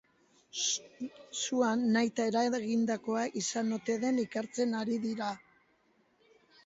Sua nahita eragindakoa izan ote den ikertzen ari dira.